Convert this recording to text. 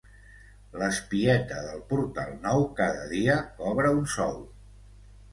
L'espieta del Portal Nou cada dia cobra un sou.